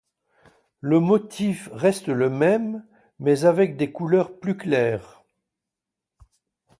Le motif reste le même mais avec des couleurs plus claires.